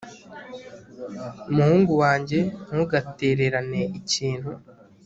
muhungu wanjye, ntugatererane ikintu